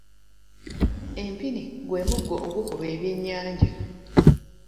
Empini gwe muggo ogukuba ebyennyanja.